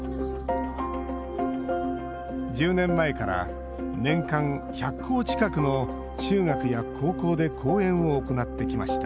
１０年前から年間１００校近くの中学や高校で講演を行ってきました